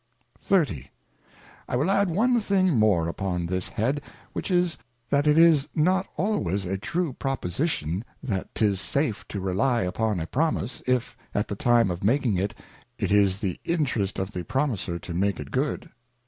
XXX. I will add one thing more upon this Head, which is, that it is not always a true Proposition, that 'tis safe to rely upon a Promise if, at the time of making it, it is the Interest of the Promiser to make it good.